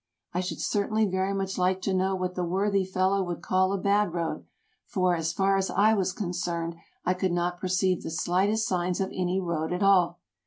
I should certainly very much like to know what the worthy fellow would call a bad road, for, as far as I was concerned, I could not per ceive the slightest signs of any road at all.